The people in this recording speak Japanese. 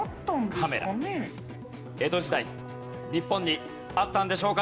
江戸時代日本にあったんでしょうか？